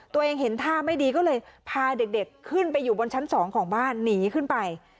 ตัวเองเห็นท่าไม่ดีก็เลยพาเด็กขึ้นไปอยู่บนชั้น๒ของบ้านหนีขึ้นไป